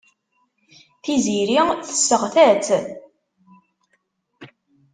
Tiziri tesseɣta-tt.